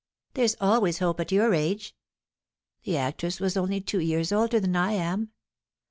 "There's always hope at your age!" "The actress was only two years older than I am."